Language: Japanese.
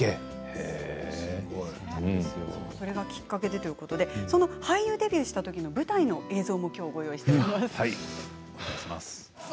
すごい。それがきっかけでということで俳優デビューしたときの舞台の映像もご用意しています。